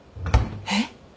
えっ？